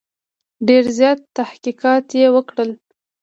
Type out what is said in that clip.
ډېر زیات تحقیقات یې وکړل.